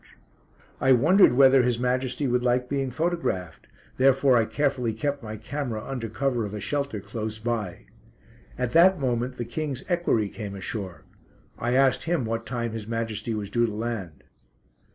HIS MAJESTY GRACIOUSLY CONSENTED TO POSE FOR ME] I wondered whether His Majesty would like being photographed, therefore I carefully kept my camera under cover of a shelter close by. At that moment the King's equerry came ashore. I asked him what time His Majesty was due to land.